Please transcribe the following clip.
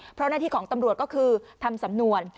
เพราะหน้าที่ของตำรวจก็คือทำสำนวน